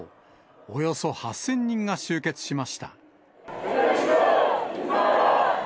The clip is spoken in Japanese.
およそ８０００人が集結しました。